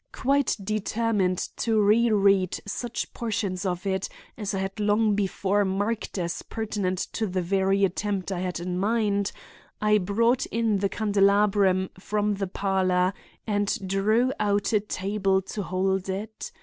Quite determined to reread such portions of it, as I had long before marked as pertinent to the very attempt I had in mind, I brought in the candelabrum from the parlor and drew out a table to hold it.